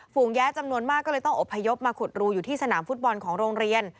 ฝูแย้จำนวนมากก็เลยต้องอบพยพมาขุดรูอยู่ที่สนามฟุตบอลของโรงเรียน